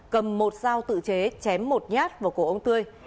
cầm một dao tự chế chém một nhát vào cổ ông tươi